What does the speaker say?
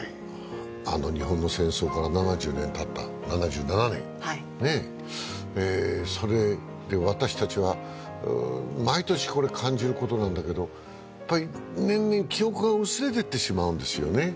あの日本の戦争から７０年たった７７年ねえええそれで私たちは毎年これ感じることなんだけどやっぱり年々記憶が薄れてってしまうんですよね